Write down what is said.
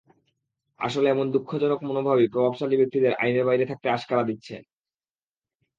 আসলে এমন দুঃখজনক মনোভাবই প্রভাবশালী ব্যক্তিদের আইনের বাইরে থাকতে আশকারা দিচ্ছে।